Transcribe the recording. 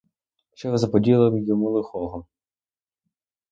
Що ви заподіяли йому лихого?